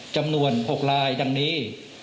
จำนวน๖ลายดังนี้